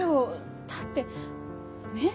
だってねえ。